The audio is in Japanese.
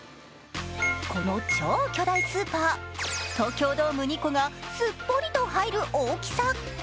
この超巨大スーパー東京ドーム２個がすっぽりと入る大きさ。